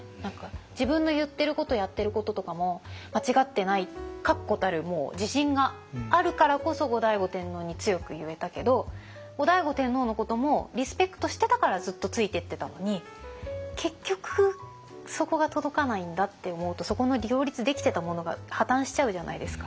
自分の言ってることやってることとかも間違ってない確固たる自信があるからこそ後醍醐天皇に強く言えたけど後醍醐天皇のこともリスペクトしてたからずっとついてってたのに結局そこが届かないんだって思うとそこの両立できてたものが破綻しちゃうじゃないですか。